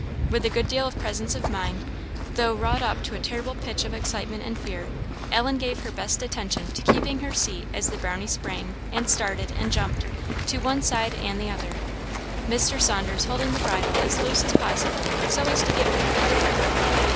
With a good deal of presence of mind, though wrought up to a terrible pitch of excitement and fear, Ellen gave her best attention to keeping her seat as the Brownie sprang, and started, and jumped, to one side and the other; Mr. Saunders holding the bridle as loose as possible, so as give him plenty of room.